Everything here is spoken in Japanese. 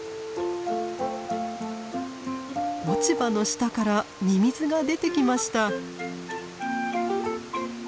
落ち葉の下からミミズが出てきました。